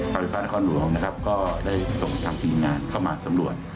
ไฟฟ้านครหลวงนะครับก็ได้ส่งทางทีมงานเข้ามาสำรวจ